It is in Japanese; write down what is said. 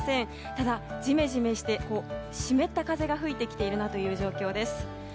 ただ、ジメジメして湿った風が吹いてきている状況です。